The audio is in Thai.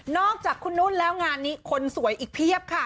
อกจากคุณนุ่นแล้วงานนี้คนสวยอีกเพียบค่ะ